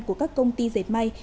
của các công ty dệt may